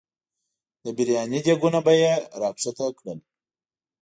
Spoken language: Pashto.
د برياني دیګونه به یې راښکته کړل.